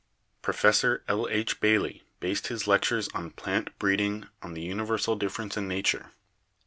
Professor L. H. Bailey based his lectures on 'Plant Breeding' on the uni versal difference in nature.